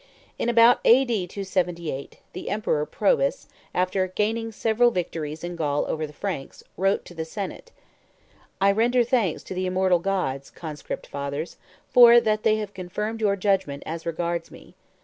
About A.D. 278, the Emperor Probes, after gaining several victories in Gaul over the Franks, wrote to the senate, "I render thanks to the immortal gods, Conscript Fathers, for that they have confirmed your judgment as regards me.